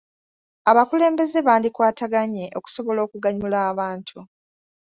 Abakulembeze bandikwataganye okusobola okuganyula abantu.